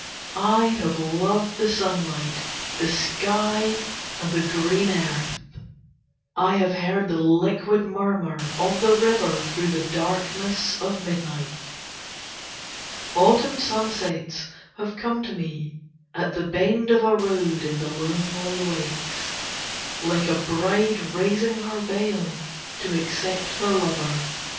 I have loved the sunlight, the sky and the green earth; I have heard the liquid murmur of the river through the darkness of midnight; Autumn sunsets have come to me at the bend of a road in the lonely waste, like a bride raising her veil to accept her lover.